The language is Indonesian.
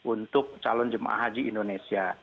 untuk calon jemaah haji indonesia